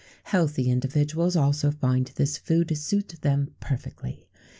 [XVII 19] Healthy individuals also find this food suit them perfectly.